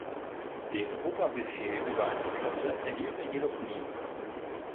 Den Oberbefehl über eine Flotte erhielt er jedoch nie.